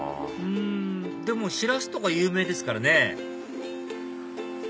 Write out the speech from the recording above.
うんでもシラスとか有名ですからね